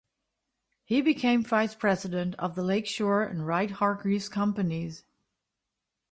He became vice-president of the Lake Shore and Wright-Hargreaves companies.